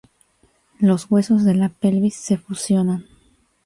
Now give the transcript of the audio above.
Los huesos de la pelvis se fusionan.